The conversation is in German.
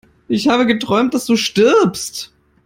Ich habe geträumt, dass du stirbst!